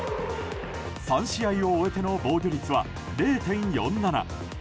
３試合を終えての防御率は０．４７。